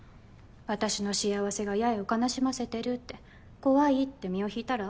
私の幸せが八重を悲しませてるって怖いって身を引いたら？